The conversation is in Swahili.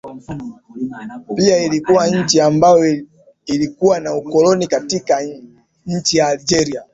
pia ilikuwa nchi ambayo ilikuwa na ukoloni katika nchi ya algeria